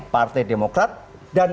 partai demokrat dan